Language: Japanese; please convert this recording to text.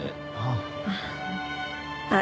ああ。